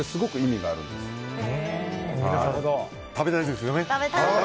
皆さん、食べたいですよね？